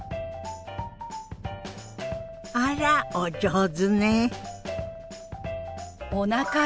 あらお上手ね。